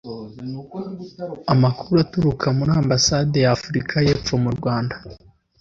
Amakuru aturuka muri Ambasade y’Afurika y’Epfo mu Rwanda